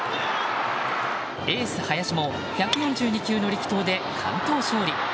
エース、林も１４２球の力投で完投勝利。